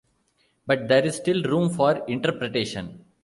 But there is still room for interpretation.